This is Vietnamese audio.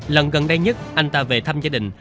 lần gần đây nhất anh ta về thăm gia đình